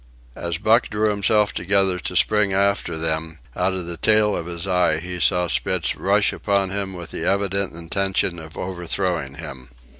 As Buck drew himself together to spring after them, out of the tail of his eye he saw Spitz rush upon him with the evident intention of overthrowing him.